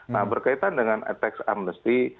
nah berkaitan dengan tax amnesty